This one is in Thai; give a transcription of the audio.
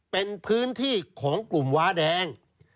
เป็นพื้นที่ของกลุ่มว้าแดง